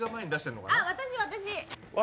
私、私！